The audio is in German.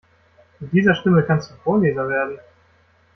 Mit dieser Stimme kannst du Vorleser werden.